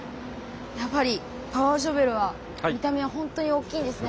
やっぱりパワーショベルは見た目は本当に大きいんですね。